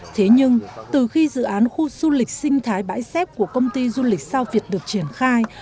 thế nhưng từ khi dự án khu du lịch sinh thái bãi xếp của công ty du lịch sao việt được triển khai